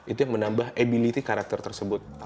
itu yang menambah ability karakter tersebut